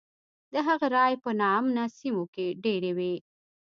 د هغه رایې په نا امنه سیمو کې ډېرې وې.